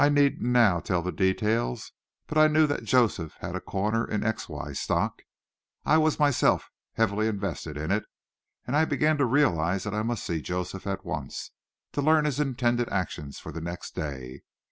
I needn't now tell the details, but I knew that Joseph had a `corner' in X.Y. stock. I was myself a heavy investor in it, and I began to realize that I must see Joseph at once, and learn his intended actions for the next day.